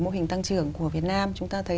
mô hình tăng trưởng của việt nam chúng ta thấy